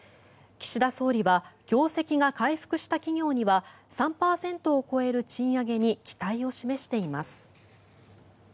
岸田総理は業績が回復した企業には３％を超える賃上げに期待を示しています。